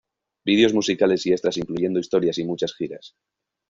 Vídeos musicales y extras incluyendo historias y muchas giras.